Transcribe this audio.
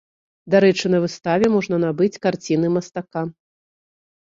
Дарэчы на выставе можна набыць карціны мастака.